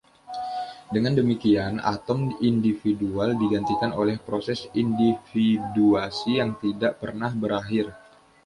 Dengan demikian atom individual digantikan oleh proses individuasi yang tidak pernah berakhir.